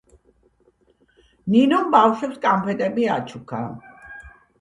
ნინომ ბავშვებს კანფეტები აჩუქა.